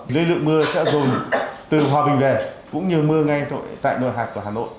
lưu lượng mưa sẽ dùng từ hòa bình về cũng như mưa ngay tại nơi hạt của hà nội